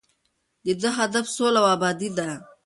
د ده هدف سوله او ابادي ده.